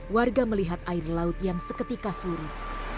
warga melihat air laut yang seketika surut